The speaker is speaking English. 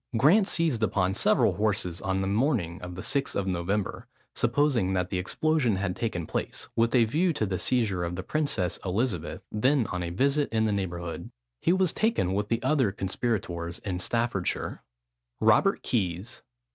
Grant seized upon several horses on the morning of the 6th of November, supposing that the explosion had taken place, with a view to the seizure of the Princess Elizabeth, then on a visit in the neighbourhood. He was taken with the other conspirators in Staffordshire. ROBERT KEYS.